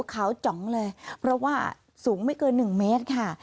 ขาวจ๋องเลยเพราะว่าสูงไม่เกิน๑เมตรค่ะ